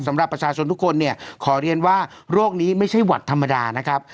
สำหรับประชาชนทุกคนเนี่ยขอเรียนว่าโรคนี้ไม่ใช่หวัดธรรมดานะครับ